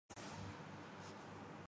تاریخ ویسے تو بہت طویل ہے